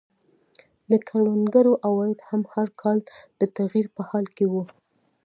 د کروندګرو عواید هم هر کال د تغییر په حال کې وو.